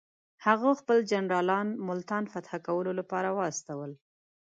هغه خپل جنرالان ملتان فتح کولو لپاره واستول.